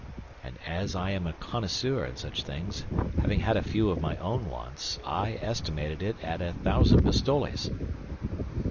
"And as I am a connoisseur in such things, having had a few of my own once, I estimated it at a thousand pistoles."